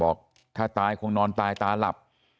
บอกถ้าตายคงนอนตายตาหลับ